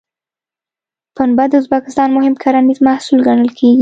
پنبه د ازبکستان مهم کرنیز محصول ګڼل کېږي.